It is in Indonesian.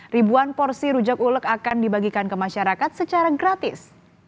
ribuan porsi rujak ulek akan dibagikan ke masyarakat secara gratis